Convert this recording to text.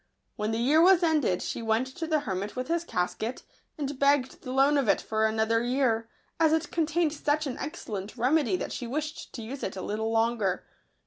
When the year was ended, she went to the hermit with his casket, and begged the loan of it for another year, as it contained such an excellent remedy that she wished to use it a little longer.